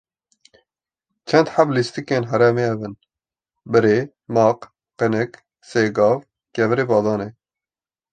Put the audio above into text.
çend heb lîstikên herêmê ev in: Birê, maq, qinik, sêgav, kevirê badanê